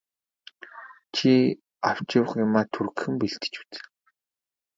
Чи авч явах юмаа түргэхэн бэлдэж үз.